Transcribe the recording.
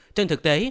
trên thực tế